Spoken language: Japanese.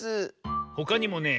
ほかにもねえ